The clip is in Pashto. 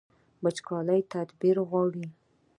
وچکالي تدبیر غواړي